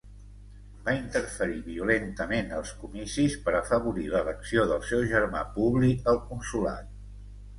Va interferir violentament als comicis per afavorir l'elecció del seu germà Publi al consolat.